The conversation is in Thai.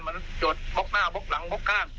มันจดบ๊อกหน้าบ๊อกหลังบ๊อกข้าง